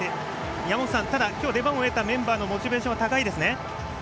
山本さん、ただ今日出番を得たメンバーのモチベーションは高いですね。